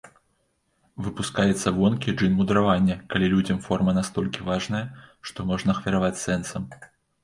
Выпускаецца вонкі джын мудравання, калі людзям форма настолькі важная, што можна ахвяраваць сэнсам.